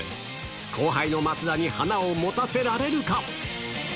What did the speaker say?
後輩の増田に花を持たせられるか。